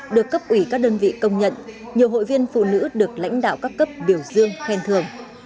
được cấp ủy các đơn vị công nhận nhiều hội viên phụ nữ được lãnh đạo các cấp biểu dương khen thường